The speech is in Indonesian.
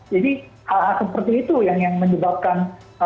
jadi hal hal seperti itu yang menyebabkan